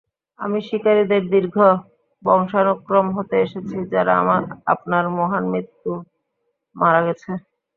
আমি শিকারিদের দীর্ঘ বংশানুক্রম হতে এসেছি যারা আপনার মহান মৃত্যু মারা গেছে!